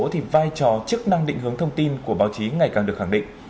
thì vai trò chức năng định hướng thông tin của báo chí ngày càng được khẳng định